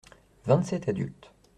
Vingt-sept adultes.